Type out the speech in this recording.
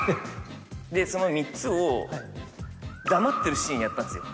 でその３つを黙ってるシーンやったんですよ。